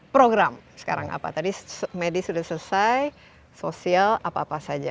program sekarang apa tadi medis sudah selesai sosial apa apa saja